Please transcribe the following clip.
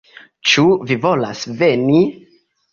Ĉu vi volas veni?